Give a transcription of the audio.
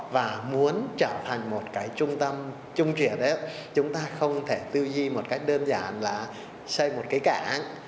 và muốn trở thành một cái trung tâm trung chuyển đấy chúng ta không thể tư duy một cách đơn giản là xây một cái cảng